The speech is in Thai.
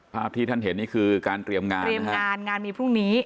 ภาพที่ท่านเห็นนี่คือการเตรียมงานเตรียมงานงานมีพรุ่งนี้